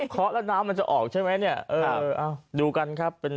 เค้าะน้ำมันจะออกใช่ไหมดูกันครับ